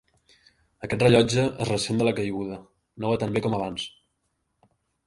Aquest rellotge es ressent de la caiguda: no va tan bé com abans.